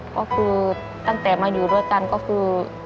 ก็คือตั้งแต่มาอยู่ด้วยกันก็คือ